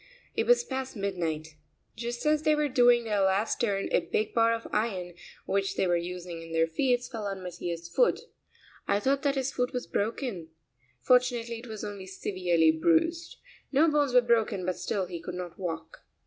It was past midnight. Just as they were doing their last turn a big bar of iron which they were using in their feats fell on Mattia's foot. I thought that his foot was broken. Fortunately it was only severely bruised. No bones were broken, but still he could not walk.